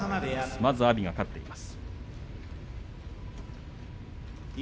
まず阿炎が勝っています。